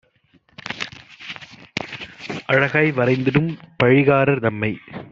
அழகாய் வரைந்திடும் பழிகாரர் தம்மை